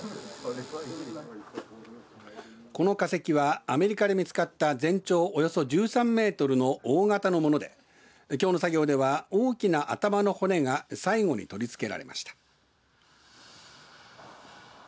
この化石はアメリカで見つかった全長およそ１３メートルの大型のものできょうの作業では大きな頭の骨が最後に取り付けられました。